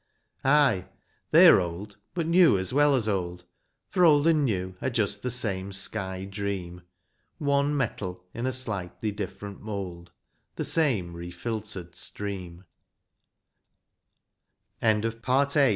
Ay, they are old, but new as well as old, For old and new are just the same sky dream, — One metal in a slightly different mould, The same rcfiltered st